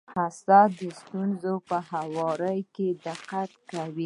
اسد د ستونزو په هواري کي دقت کوي.